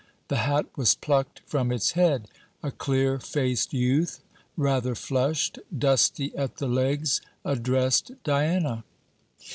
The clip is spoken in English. The hat was plucked from its head. A clear faced youth, rather flushed, dusty at the legs, addressed Diana.